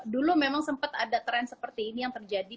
dulu memang sempat ada tren seperti ini yang terjadi